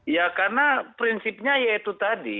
ya karena prinsipnya yaitu tadi